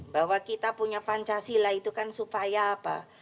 bahwa kita punya pancasila itu kan supaya apa